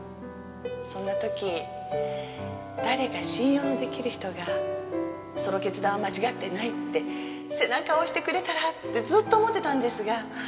そんな時誰か信用の出来る人がその決断は間違ってないって背中を押してくれたらってずっと思ってたんですが。